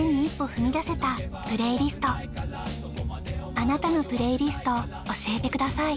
あなたのプレイリスト教えてください。